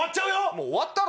もう終わったろ。